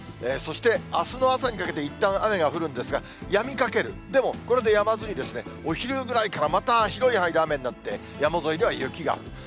そしてあすの朝にかけて、いったん、雨が降るんですが、やみかけるでもこれでやまずに、お昼ぐらいからまた、広い範囲で雨になって山沿いでは雪が降る。